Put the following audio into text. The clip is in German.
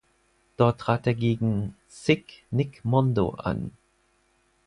Dort trat er gegen „Sick“ Nick Mondo an.